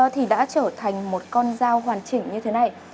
thì đã trở thành một con dao hoàn chỉnh như thế này